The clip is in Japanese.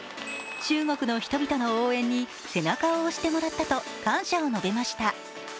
中国の人々の応援に背中を押してもらったと感謝を述べました。